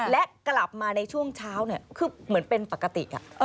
และกลับมาในช่วงเช้าคือเหมือนเป็นปกติ